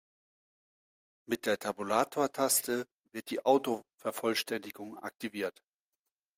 Mit der Tabulatortaste wird die Autovervollständigung aktiviert.